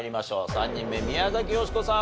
３人目宮崎美子さん